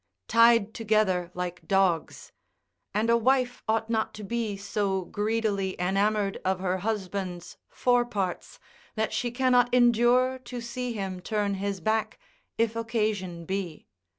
] tied together like dogs; and a wife ought not to be so greedily enamoured of her husband's foreparts, that she cannot endure to see him turn his back, if occasion be.